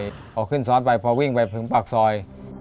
พอขึ้นซ้อนไปพอวิ่งไปถึงปากซอย